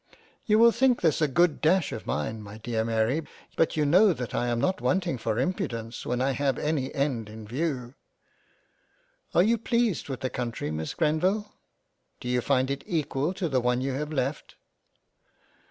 You will think this a good dash of mine my dear Mary, but you know that I am not wanting for Impudence when I have any end in veiw. " Are you pleased with the Country Miss Grenville ? Do you find it equal to the one you have left